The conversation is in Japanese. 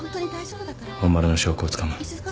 本丸の証拠をつかむ。